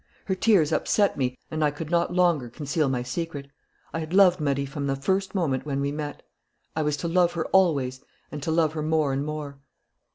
Her tears upset me and I could not longer conceal my secret. I had loved Marie from the first moment when we met. I was to love her always and to love her more and more."